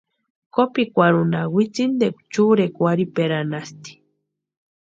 Kopikwarhunha witsintikwa churikwa warhiperanhasti.